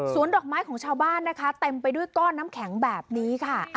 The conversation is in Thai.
ส่วนดอกไม้ของชาวบ้านนะคะเต็มไปด้วยก้อนน้ำแข็งแบบนี้ค่ะ